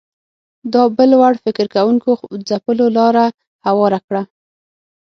دا بل وړ فکر کوونکو ځپلو لاره هواره کړه